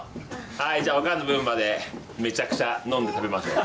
はいじゃあおかんの分までめちゃくちゃ飲んで食べまくろう。